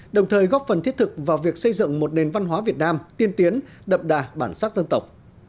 đồng thời góp phần thiết thực vào việc xây dựng một nền văn hóa việt nam tiên tiến đậm đà bản sắc dân tộc